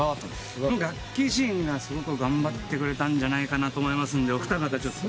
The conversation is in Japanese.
楽器陣がすごく頑張ってくれたんじゃないかと思いますんでお二方ちょっと。